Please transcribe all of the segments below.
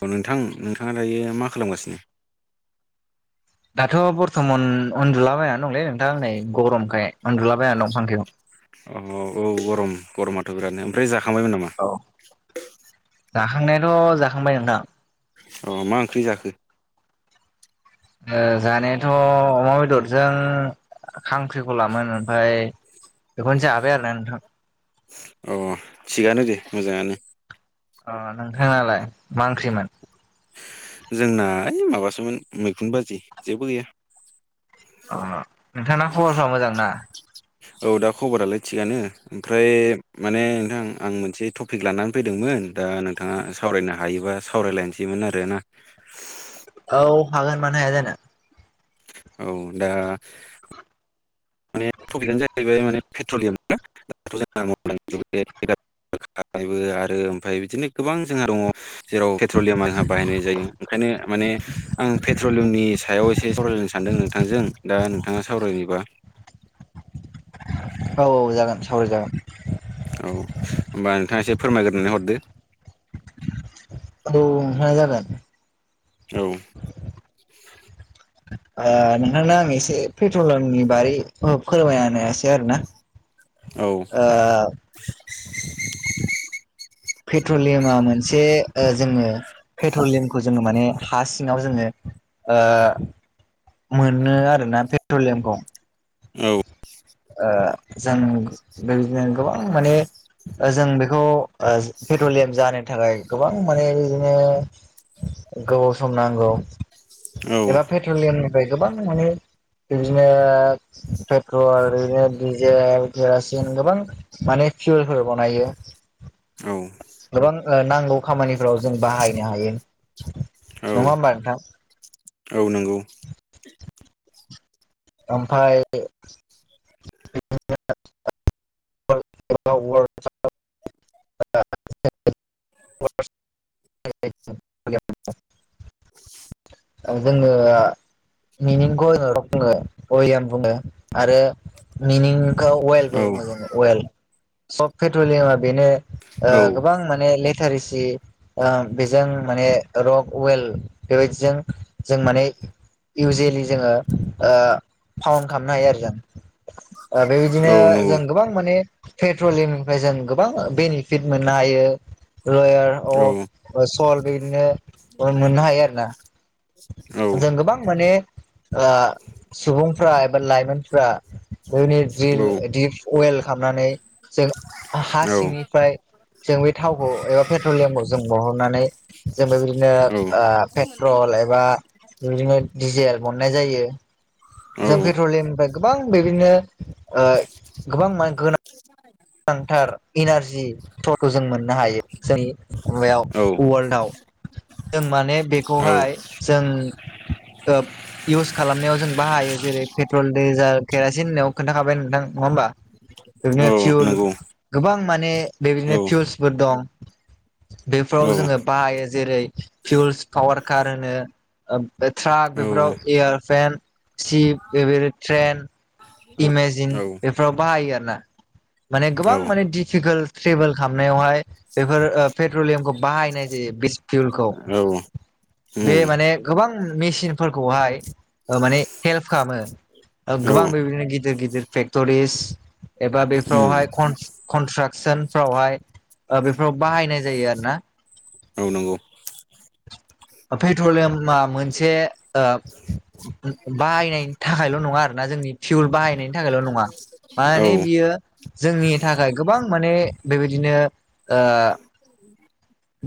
औ नोंथां नोंथाङा दायो मा खालामगासिनो दाथ' बर्थमान उनन्दुलाबायानो दंलै नोंथाङांंनै गरमखाय उनन्दुलाबायानो दं फांखआव अ औ गरम गरमाथ' बिरादनो ओमफ्राय जाखांबायमोन नामा जाखांनायाथ' जाखांबाय नोंथां अ मा ओंख्रि जाखो जानायाथ' अमा बेदरजों खांख्रिखौ लाोन ओमफ्राय बेख जाब आरो नथ अ थिगानो दे मोजाङानो अ नोंथांलाय मा ओंख्रिमोन जोंना ओइ माबासोमोन मैखुन बाजि जेबो गैया औ नोंथां खबरफ्रा मोजां ना औ दा खबरालाय थिगानो ओमफ्राय माने नोंथां आं मोनसे टपिक लानानै फैदोंमोन दा नोंथाङा सावरायनो हायोबा सावरायलायनोसैमोन आरोना औ हागोन मानो हाया जानो औ दा टपिकआनो जाहैबाय माने पेट्रलियामना दाथ [unintelligible] [unintelligible] बो आरो ओमफ्राय बिदिनो गोबां जोंहा दङ जेराव पेट्रलियामा आहा बाहायनाय जायो ओंखायनो माने आं पेट्रलियमनि सायाव एसे सावरायलायनो सानदों नोंथांजों दा नोंथाङा सावरायनोबा औ औ जागोन सावराय जागोन औ होमबा नोंथाङा एसे फोरमायग्रोनानै हरदो औ नोंथां जागोन औ ओ नोंथांनो आं एसे पेट्रलियामनि बारै फोरमायना हायासै आरोना औ ओ [inaudible] पेट्रलियामा मोनसे जोङो पेट्रलियाम जोङो माने हा सिङाव जोङो ओ मोनो आरोना पेट्रलियामखौ औ जों बेबायदिनो गोबां माने जों बेखौ पेट्रलियाम जाहोनो थाखाय गोबां माने बिदिनो गोबाव सम नांगौ एबा पेट्रलियामनिफ्राय गोबां माने बिदिनो पेट्रल आरो बिदिनो डिजेल केरासिन गोबां माने फिउलफोर बनायो औ गोबां नांगौ खामानिफोराव जों बाहायनो हायो औ नङा होमबा नोंथां औ नंगौ ओमफ्राय [unintelligible] [unintelligible] [inaudible] जोङो मिनिंखौ बुङो [unintelligible] आरो मिनिं अवेलबो औ बुङो जोङो अवेल सब पेट्रलियामा बेनो ओ औ गोबां माने ले थारिसि बेजों माने रक वेल बेबायदिजों जों माने इउजुवेलि जोङो फाउन्द खालामनो हायो आरो जों बेबायदिनो औ नंगौ जों गोबां माने पेट्रलियामनिफ्राय जों गोबां बेनिफिट मोननो हायो रयार औ अफ सल बिदिनो मोननो हायो आरोना औ जों गोबां माने सुबुंफ्रा एबा लाइमोनफ्रा बेनि जिल औ दिप अवेल खालामनानै जों हा सिंनिफ्राय जों बे थावखौ एबा पेट्रलियामखौ जों बहरनानै जों बेबादिनो पेट्रल एबा बिदिनो दिजेल बरननाय जायो औ जों पेट्रलियामनिफ्राय गोबां बेदिनो गोबां माने गोनां गोनांथार इनारजिफोरखौ जों मोननो हायो जोंनि माबायाव वर्ल्डआव जों माने औ बेखौहाय जों इउस खालामनायाव जों बाहायो जेरै पेट्रल डिजेल केरासिन होनाव खोन्थाखाबाय नोंथां नङ होनबा बेदिनो औ फिउल नंगौ गोबां माने औ बेबायदिनो फिउलसफोर दं औ बेफोराव जोङो बाहायो जेरै फिउल्स पावार कार होनो ट्राक बेफोराव एयारफेन सिप बेबायदि ट्रेन इमेजिन बेफोराव बाहायो आरोना माने औ गोबां माने डफिकाल्ट ट्रेभेल खालामनायावहाय बेफोर पेट्रलियामखौ बाहायनाय जायो। बिस्पिउलखौ औ बे उम माने गोबां मेचिनफोरखौहाय माने हेल्प खालामो औ गोबां बेबायदिनो गिदिर गिदिर फेक्ट'रिस एबा बे उम फावहाय कनस्ट्राकसन फावहाय बेफोराव बाहायनाय जायो आरो ना औ नंगौ। [unintelligible] पेट्रलियामा मोनसे बाहायनायनि थाखायल' नङा आरोना जों जोंनि फिउल बाहायनायनि थाखायल' नङा औ मे बियो जोंनि थाखाय गोबां माने बेबायदिनो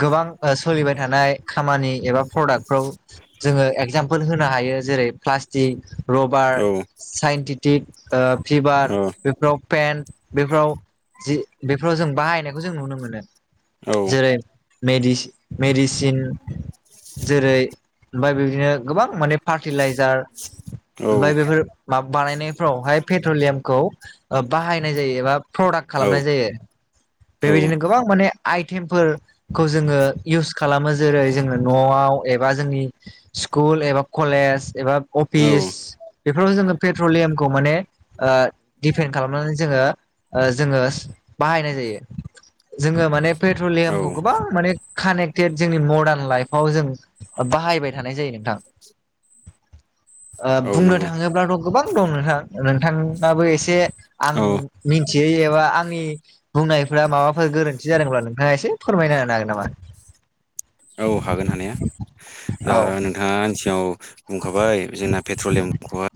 गोबां सोलिबाय थानाय खामानि एबा प्रडाक्टफोर जोङो एगजामपोल होनो हायो। जेरै प्लास्टिक रबार औ ओ साइनटिटिक ओ फिभार औ बेफोराव पेन बेफोराव जि बेफोराव जों बाहायनायखौ जों नुनो मोनो। औ जेरै मेडिसिन जेरै ओमफफ्राय बिदिनो गोबां माने फार्टिलाइजार औ ओमाय बेफोर माबा बानायनायफ्रावहाय पेट्रलियाम खौ बाहायनाय जायो एबा प्रडाक् औ खालामनाय जायो। बेबायदिनो औ गोबां माने आइटेम फोरफोरखौ जोङो इउस खालामो जेरै जोङो न'आव एबा जोंनि स्कुल एबा कलेज एबा अफिस बेफोराव जोङो पेट्रलियामखौ माने दिडफेन्ड खालामनानै जोङो जोङो बाहायनाय जायो। जोङो माने औ पेट्रलियामखौ गोबां माने कानेक्टेड जोंनि मडार्न लाइफाव जों बाहायबाय थानाय जायो नोंथां। बुंनो नंगौ थाङोब्लाथ' गोबां दं नोंथां नोंथाङाबो एसे आं औ मिथियै एबा आंनि बुंनायफोरा माबाफोर गोरोन्थि जादोंब्ला नोंथाङा एसे फोरमायनानै ग नामा? औ हागोन हानाया औ दा नोंथाङा आन सिङाव बुंखाबाय जोंना पेट्रलियामखौहाय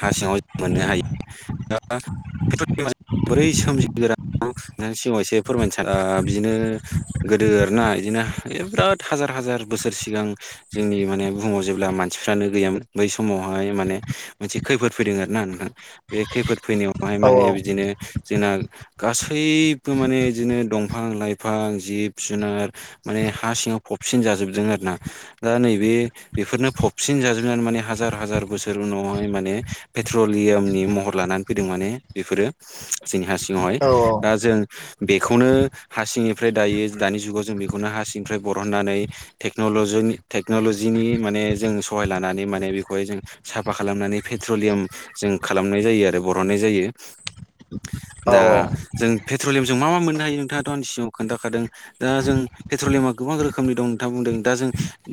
हा सिङावों मोननो हायो दा बोरै सोमजिगोरा नोंनि सिगाङाव एसे फोरमायनो साना बिदिनो गोदो आर ना बिदिनो बिराद हार हार बोसोर सिगां जोंनि माने बुहुमाव जेब्ला मानसिफ्रानो गैयामोन। समावहाय माने मोनसे खैफोद फैदों आर ना नोंथां बे खैफोद फैनायावहाय औ माने बिदिनो जोंना गास बो माने बिदिनो दंफां लाइफां जिब जुनार माने हा सिङाव फबसिन जाजोबदों आरोना दा नैबे बेफोरनो फबसिन जाजोब बि माने हाजार हाजार बोसोर उनाव माने पेट्रलियामनि महर लानानै फैदों माने बेफोरो जोंनि सिङावहाय औ दा जों बेखौनो हा सिंनिफ्राय दायो दानि जुगाव जों बेखौनो हा सिंनिफ्राय बरहननानै टेकन'ल'जि टेकन'लजिनि माने जों सहायलानानै माने बिखौहाय जों साफा खालामनानै पेट्रलियाम जों खालामनाय जायो आरो बरहननाय जायो। औ दा जों पेट्रलियाम जों मा मा मोननो हायो नोंथाङाथ' आंनि सिगाव खोन्थाखादों दा जों पेट्रलियामा गोबां रोखोमनि दं बुंदों दा जों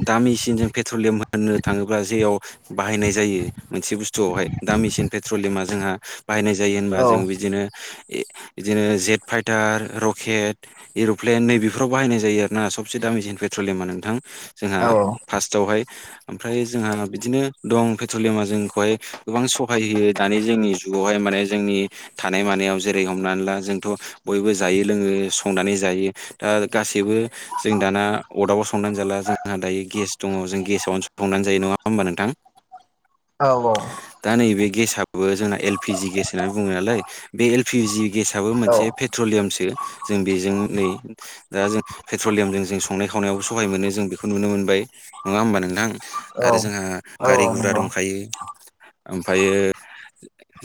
दामिसिनजों पेट्रलियाम होननो थाङोब्ला जेयाव बाहायनाय जायो। मोनसे बुस्थुआवहाय दा मेसिन पेट्रलियमा जोंहा बाहायनाय जायो होनबा जों औ बिदिनो [unintelligible] बिदिनो जेट फाइटार रकेट एर'प्लेन नैबेफोराव बाहायनाय जायो आरोना सबसे दामिसेन पेट नोंथां जोंहा औ औ फार्टआवहाय ओमफ्राय जोंहा बिदिनो दं। धमा जोंखौहाय गोबां सहाय होयो दानि जोंनि जुगावहाय माने जोंनि थानाय मानायाव जेरै हमनानै ला जोंथ' बयबो जायो लोङो संनानै जायो दा गासैबो जों दाना ा अरदाबाव संनानै जाला जोंहा दायो गेस दङ जों गेसावनो संनानै जायो नङा होमबा नोंथां? औ औ गेसाबबो जोंना एलपिजि गेस होननानै बुङो नालाय बे एलपिजि गेसआबो मोनसे पेट्रलियामसो जों बेजों नै दा जों पेट्रलियामजों जों संनाय खावनायाव सहाय मोनो जों बेखौ नुनो मोनबाय नङा होमबा नोंथां आरो औ जोंहा गारि औ गुरा नंगौ औ नंगौ दंखायो ओमफ्रायो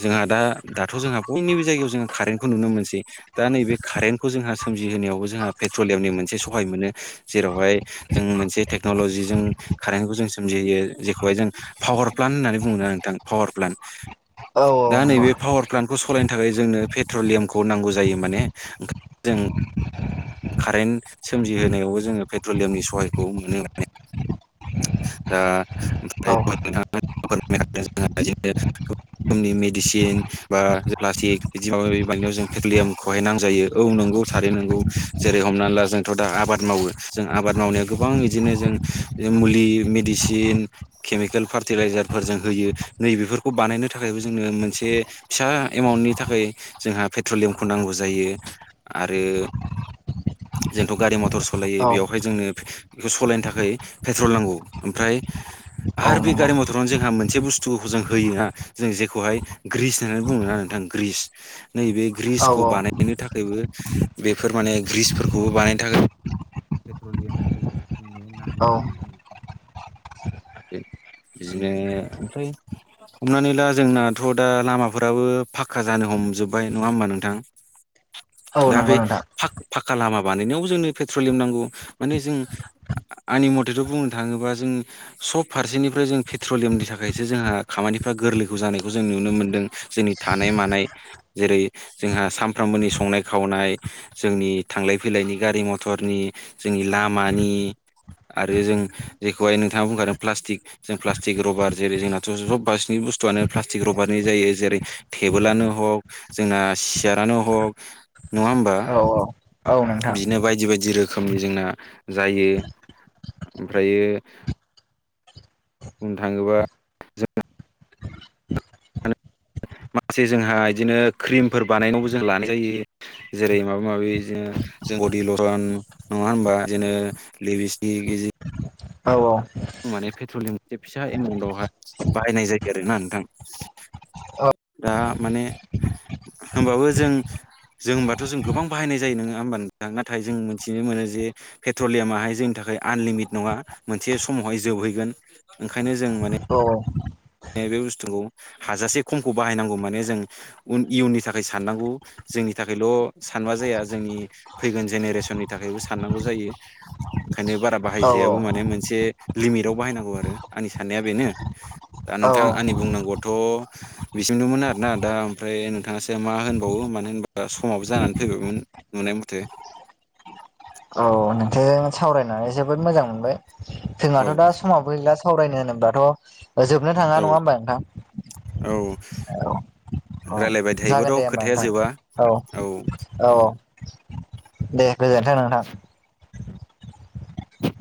जोंहा दा दाथ' जोंहा बयनिबो जायगायाव जों कारेन्टखौ नुनो मोनसै दा नैबे कारेन्टखौ जोंहा सोमजिहोनायावबो जोंहा पेट्रलियामनि मोनसे सहाय मोनो जेरावहाय जों मोनसे टेक्न'ल'जिजों कारेन्टखौ जों सोमजिहयो जेखौहाय जों पावार प्लान्ट होननानै बुङो नोंथां पावार प्लान औ दा नंगौ नैबे औ पावार प्लान्टखौ सालायनो थाखाय जोंनो पेट्रलियामखौ नांगौ जायो माने ओंखायनो जों कारेन्ट सोमजिहोनायावबो जोङो पेट्रलियामनि सहायखौ मोनो हा दा ओ [unintelligible] रोखनि मेडिसिन बा प्लास्टिक बिदि माबा बानायनायाव जों पेट्रलियामखौहाय नांजायो औ नंगौ थारैनो नंगौ जेरै हमनानै ला जोंथ' दा आबाद मावो जों आबाद मावनायाव गोबां बिदिनो जों मुलि मेदिसिन केमिकेल फार्टिलाइजार फोर जों होयो नैबेफोरखौ बानायनो थाखायबो जों जोंनो मोनसे फिसा एमाउन्टनि थाखाय जोंहा पेट्रलियामखौ नांगौ जायो आरो [unintelligible] जोंथ' गारि मथर सालायो औ बेवहाय जोंनो बेखौ सालायनो थाखाय पेट्रल नांगौ ओमफ्राय आरो बे गारि मथरावनो जोंहा मोनसे बुस्थुखौ जों होयोना जों जेखौहाय ग्रिज होननानै बुंङोना नोंथां ग्रिस नैबे ग्रिसखौ बानायनो थाखायबो बेफोर माने ग्रिसफोरखौबो बानायनो थाखाय पेट्रलियामखौ जोंनो नांगौ जायो माने [unintelligible] बिदिनो ओमफ्राय हमनानै ला जोंनाथ' दा लामाफोराबो फाखक्का जानो हमजोबबाय नङा होमबा नोंथां औ दा नंगौ बे नोंथां फाख फाखक्का लामा बानायनायाव जोंनो पेट्रलियम नांगौ माने जों आंनि मथेथ' बुंनो थाङोबा जों सब फारसेनिफ्राय जों पेट्रलियामनि थाखायसो जोंहा खामानिफ्रा गो गोरलैखौ जानायखौ जों नुनो मोनदों जोंनि थानाय मानाय जेरै जोंहा सामफ्रामबोनि संनायाव खावनाय जोंनि थांलाय फैलायनि गारि मथरनि जोंनि लामानि आरो जों जेखौहाय नोंथाङा बुंखादों प्लास्टिक जों प्लास्टिक रबार जेरै जोंनाथ' जब बा बिसिनि बुस्थुआनो प्लास्टिक रबारनि जायो जेरै टेबोलानो हक जोंना सियारानो हक नङा होमबा अ बिदिनो बायदि बायदि रोखोमनि जोंना जायो ओमफ्रायो बुंनो थाङोबा जों [unintelligible] माखासे जोंहा बिदिनो क्रिमफोर बानायनावबो जों लानाय जायो जेरै माबा माबि बिदिनो जों गदि लरन नङा होनबा जदिनो लिभस्क औ औ माने पेट्रलियाम मोनसे फिसा एमाउन्टावहाय बाहायनाय जायो आरोना नोंथां औ दा माने होनबाबो जों जों होनबाथ' जों गोबां बाहायनाय जायो नोङो होमबा नोंथां नाथाय जों मिथिनो मोनो जे पेट्रलियामाहाय जोंनि थाखाय आनलिमिटे नङा मोनसे समावहाय जोबहैगोन ओंखायनो जों माने औ नै बे बुस्थुखौ हाजासे खमखौ बाहायनांगौ माने जोंन इयुननि थाखाय साननांगौ जोंनि थाखायल' सानबा जाया जोंनि फैगोन जेनेरेसननि थाखायबो साननांगौ जायो ओंखायनो बारा औ बाहायजायाबो माने मोनसे लिमिटआव बाहायनांगौ आरो आंनि साननाया बेनो दा औ नोंथां आंनि बुंनांगौ थ' बिजोंमदोंमोन आरोना दा ओमफ्राय नोंथाङासो मा होनबावो मानो होनबा समाब जानानै जमोन नुनाय मथे औ। नोंथांजों सावरायनानै जोबोद मोजां मोनबाय औ फिमाथ' दा समाबो गैला। सावरायनो होनोबाथ' जोबनो थाङा औ नङा होमबा नोंथां? औ। औ औ रायलायबाय जागोन थायोबोथ' दे होमबा खोथाया नोंथां जोबा औ। औ औ दे गोजोन्थों नोंथां। औ।